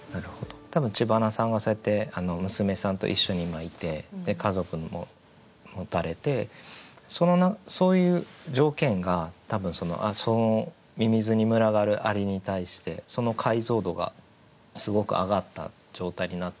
多分知花さんはそうやって娘さんと一緒にいて家族も持たれてそういう条件が多分そのみみずに群がる蟻に対してその解像度がすごく上がった状態になってるんじゃないかなと思って。